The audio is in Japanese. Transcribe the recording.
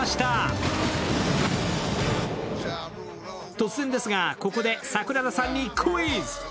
突然ですが、ここで桜田さんにクイズ。